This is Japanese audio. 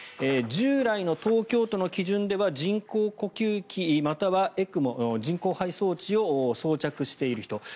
従来の東京都の基準では人工呼吸器またはＥＣＭＯ・人工肺装置を装着している人。